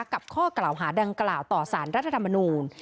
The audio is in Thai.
ข้อกล่าวหาดังกล่าวต่อสารรัฐธรรมนูล